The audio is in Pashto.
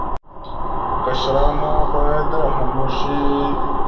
په کشرانو باید رحم وشي.